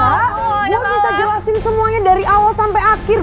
ini gak gue bisa jelasin semuanya dari awal sampe akhir